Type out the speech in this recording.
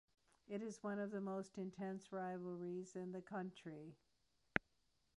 It is one of the most intense rivalries in the country.